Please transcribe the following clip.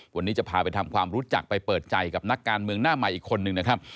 วันนี้จะพาไปทำความรู้จักไปเปิดใจกับนักการเมืองหน้าใหม่อีกคนนึงนะครับ